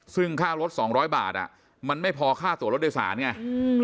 ซึ่งค่ารถ๒๐๐บาทมันไม่พอค่าตัวรถโดยสารไง